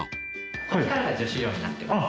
ここからが女子寮になってます。